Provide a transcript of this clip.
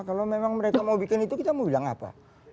kalau memang mereka mau bikin itu kita mau bilang apa